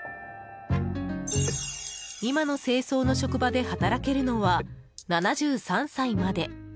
今の清掃の職場で働けるのは７３歳まで。